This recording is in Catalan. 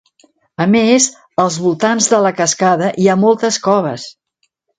A més, als voltants de la cascada hi ha moltes coves.